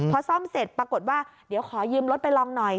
พอซ่อมเสร็จปรากฏว่าเดี๋ยวขอยืมรถไปลองหน่อย